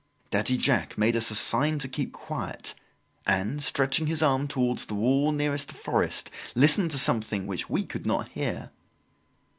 Daddy Jacques made us a sign to keep quiet and, stretching his arm towards the wall nearest the forest, listened to something which we could not hear.